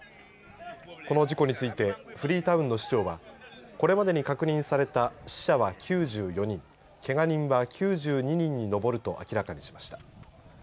この事故についてフリータウンの市長はこれまでに確認された死者は９４人けが人は９２人に上ると明らかにしました。